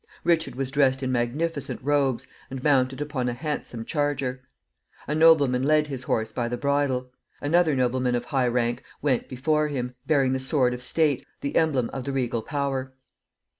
Richard was dressed in magnificent robes, and mounted upon a handsome charger. A nobleman led his horse by the bridle. Another nobleman of high rank went before him, bearing the sword of state, the emblem of the regal power.